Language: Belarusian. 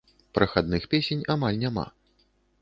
Прахадных песень амаль няма.